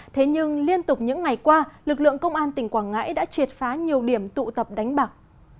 thế nhưng liên tục những ngày qua lực lượng công an tỉnh quảng ngãi đã triệt phá nhiều điểm tụ tập đánh bạc